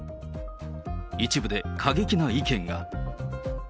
一部で過激な意見が。